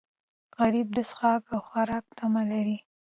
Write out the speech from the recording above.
غریب د څښاک او خوراک تمه لري